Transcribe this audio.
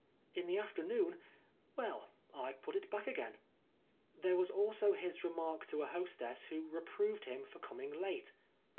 " In the afternoon well, I put it back again." There was also his remark to a hostess who reproved him for coming late.